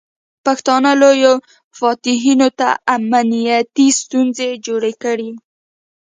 پښتانه لویو فاتحینو ته امنیتي ستونزې جوړې کړې.